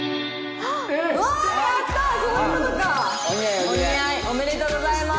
ありがとうございます。